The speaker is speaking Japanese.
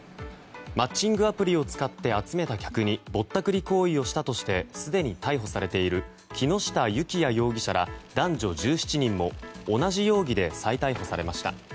マッチングアプリを使って集めた客にぼったくり行為をしたとしてすでに逮捕されている木下幸也容疑者ら男女１７人も同じ容疑で再逮捕されました。